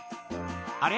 あれ？